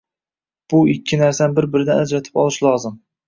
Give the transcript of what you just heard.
Bu ikki narsani bir-biridan ajratib olish lozim.